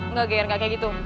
enggak geyan gak kayak gitu